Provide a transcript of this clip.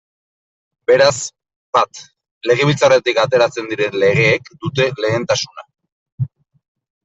Beraz, bat, Legebiltzarretik ateratzen diren legeek dute lehentasuna.